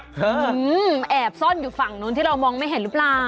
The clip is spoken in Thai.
แอบซ่อนอยู่ฝั่งนู้นที่เรามองไม่เห็นหรือเปล่า